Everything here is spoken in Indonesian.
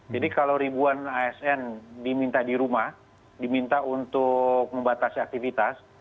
jadi kalau ribuan asn diminta di rumah diminta untuk membatasi aktivitas